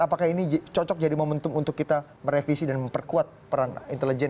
apakah ini cocok jadi momentum untuk kita merevisi dan memperkuat peran intelijen